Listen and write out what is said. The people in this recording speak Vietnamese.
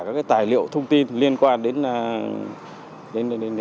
các tài liệu thông tin liên quan đến